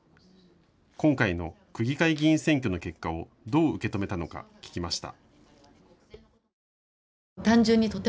今回の区議会議員選挙の結果をどう受け止めたのか聞きました。